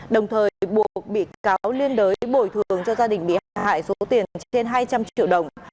đồng thời buộc bị cáo liên đới bồi thường cho gia đình bị hại số tiền trên hai trăm linh triệu đồng